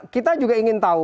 kita juga ingin tahu